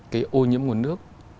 cái ô nhiễm nguồn nước